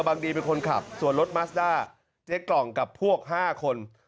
บางทีเป็นคนขับส่วนรถมัสด้าเจ๊กล่องกับพวก๕คน